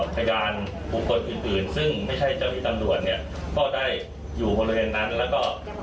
พยานบุคคลอื่นอื่นซึ่งไม่ใช่เจ้าที่ตำรวจเนี่ยก็ได้อยู่บริเวณนั้นแล้วก็